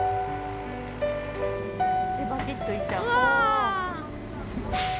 バキッといっちゃうあぁ！